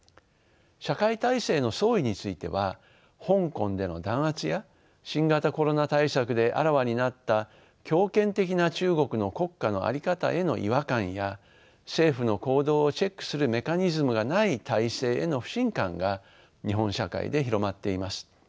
社会体制の相違については香港での弾圧や新型コロナ対策であらわになった強権的な中国の国家の在り方への違和感や政府の行動をチェックするメカニズムがない体制への不信感が日本社会で広まっています。